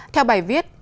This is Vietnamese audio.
theo bài viết